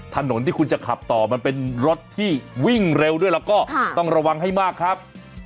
ถนนที่คุณจะขับต่อมันเป็นรถที่วิ่งเร็วด้วยแล้วก็ต้องระวังให้มากครับ